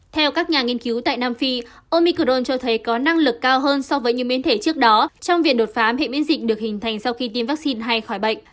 theo các nhà nghiên cứu tại nam phi omicron cho thấy có năng lực cao hơn so với những biến thể trước đó trong việc đột phá hệ miễn dịch được hình thành sau khi tiêm vaccine hay khỏi bệnh